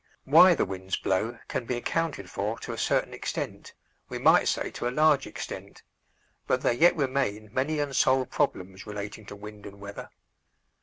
Why the winds blow can be accounted for to a certain extent, we might say to a large extent, but there yet remain many unsolved problems relating to wind and weather.